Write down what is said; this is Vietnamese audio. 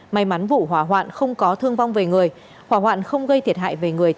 may mắn vụ hỏa hoạn không có thương vong về người hỏa hoạn không gây thiệt hại về người